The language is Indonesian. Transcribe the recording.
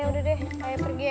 yeh udah deh ayo pergi ya